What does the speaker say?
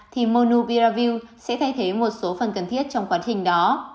thì monubiravil sẽ thay thế một số phần cần thiết trong quá trình đó